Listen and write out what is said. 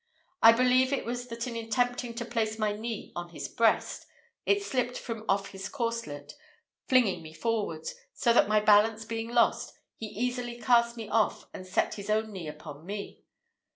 I believe it was that in attempting to place my knee on his breast, it slipped from off his corslet, flinging me forward, so that my balance being lost, he easily cast me off and set his own knee upon me.